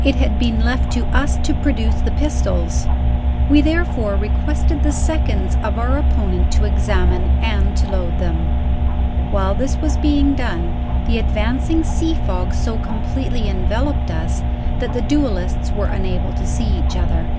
It had been left to us to produce the pistols. We therefore requested the seconds of our opponent to examine and to load them. While this was being done, the advancing sea fog so completely enveloped us that the duelists were unable to see each other.